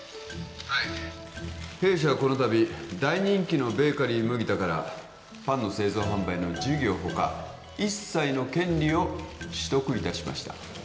はい弊社はこのたび大人気のベーカリー麦田からパンの製造販売の事業ほか一切の権利を取得いたしました